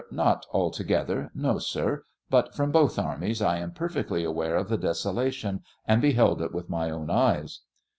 Not altogether ; no, sir; but from both armies; I am perfectly aware of the desolation, and beheld it with my own eyes.